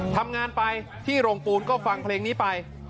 ทำงานไปที่โรงปูนก็ฟังเพลงนี้ไป